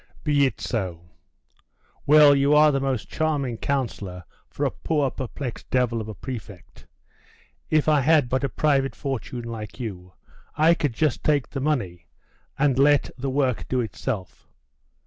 Be it so.' 'Well, you are the most charming counsellor for a poor perplexed devil of a prefect! If I had but a private fortune like you, I could just take the money, and let the work do itself.